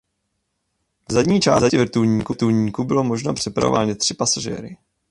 V zadní části vrtulníku bylo možno přepravovat maximálně tři pasažéry.